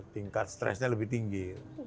tingkat stresnya lebih tinggi